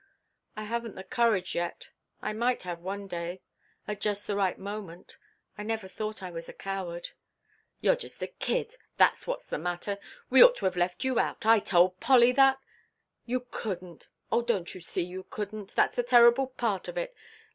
"I haven't the courage yet. I might have one day at just the right moment. I never thought I was a coward." "You're just a kid. That's what's the matter. We ought to have left you out. I told Polly that " "You couldn't! Oh, don't you see you couldn't. That's the terrible part of it!